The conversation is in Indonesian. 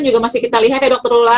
juga masih kita lihat ya dokter lula